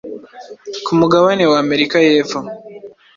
ku mugabane w’amerika y’epfo,